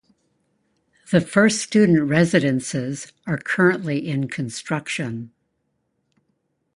The first student residences are currently in construction.